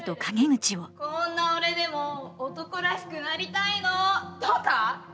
「こんな俺でも男らしくありたいの」とか？